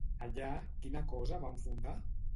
Allà, quina cosa van fundar?